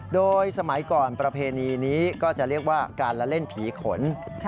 โดยสมัยก่อนประเพณีนี้ก็จะเรียกว่าการละเล่นผีขน